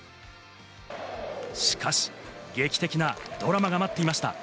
しかし劇的なドラマが待っていました。